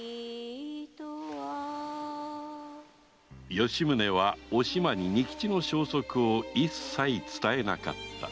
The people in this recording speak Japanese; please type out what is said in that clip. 吉宗はお島に仁吉の消息を一切伝えなかった